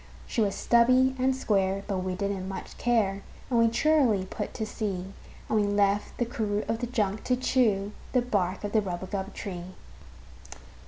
She was stubby and square, but we didn't much care, And we cheerily put to sea; And we left the crew of the junk to chew The bark of the rubagub tree.